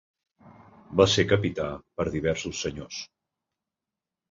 Va ser capità per diversos senyors.